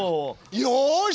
よし！